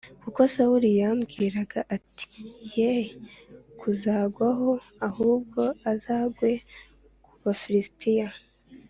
Kuko Sawuli yibwiraga ati “Ye kuzangwaho, ahubwo azagwe ku Bafilisitiya.”